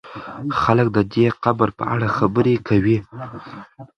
خلک د دې قبر په اړه خبرې کوي.